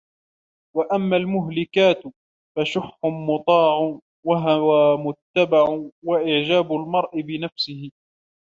وَأَمَّا الْمُهْلِكَاتُ فَشُحٌّ مُطَاعٌ ، وَهَوًى مُتَّبَعٌ ، وَإِعْجَابُ الْمَرْءِ بِنَفْسِهِ